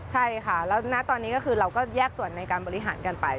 ใช่ค่ะแล้วณตอนนี้ก็คือเราก็แยกส่วนในการบริหารกันไป